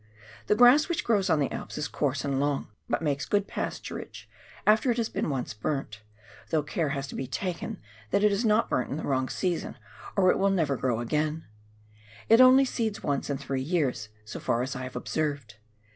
The grass which grows on the Alps is coarse and long, but makes good pasturage after it has been once burnt, though care has to be taken that it is not burnt in the wrong season, or it will never grow again ; it only seeds once in three years, so far as I have observed.